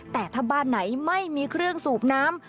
แต่ถ้าบ้านไหนไม่มีเครื่องสูบน้ำ